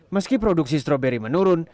meski produksi stroberi menurun